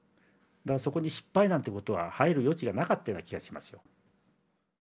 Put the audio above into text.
そこに「失敗」なんてことは入る余地がなかったような気がします。